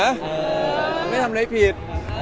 ไม่ทำอะไรผิด